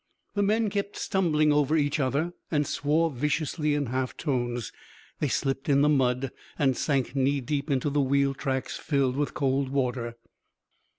The men kept stumbling over each other, and swore viciously in half tones; they slipped in the mud and sank knee deep into the wheel tracks filled with cold water.